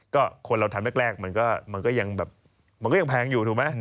ก็คนเราทำแรกมันก็ยังแบบมันก็ยังแพงอยู่ถูกไหม